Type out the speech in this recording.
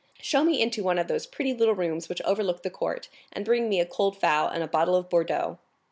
Show me into one of those pretty little rooms which overlook the court, and bring me a cold fowl and a bottle of Bordeaux."